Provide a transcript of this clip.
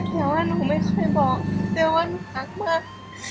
แต่ว่าหนูไม่ค่อยบอกแต่ว่าหนูรักมาก